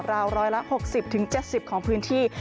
ราวร้อยละ๖๐ถึง๗๐ของพื้นที่